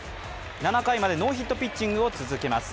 ７回までノーヒットピッチングを続けます。